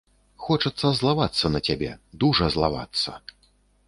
Хочацца злавацца на цябе, дужа злавацца.